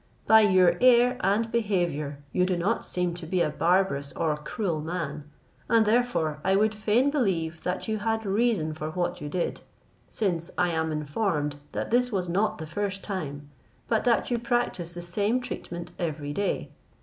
By your air and behaviour you do not seem to be a barbarous or cruel man; and therefore I would fain believe that you had reason for what you did, since I am informed that this was not the first time, but that you practise the same treatment every day.